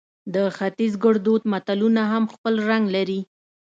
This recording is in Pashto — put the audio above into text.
د ختیز ګړدود متلونه هم خپل رنګ لري